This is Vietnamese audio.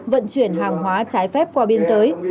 vận chuyển hàng hóa trái phép qua biên giới